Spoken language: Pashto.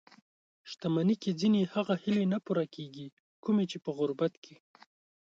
شتمني کې ځينې هغه هیلې نه پوره کېږي؛ کومې چې مو په غربت کې